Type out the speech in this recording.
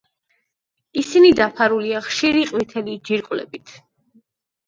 ისინი დაფარულია ხშირი ყვითელი ჯირკვლებით.